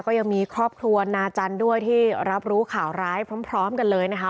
ก็ยังมีครอบครัวนาจันทร์ด้วยที่รับรู้ข่าวร้ายพร้อมกันเลยนะคะ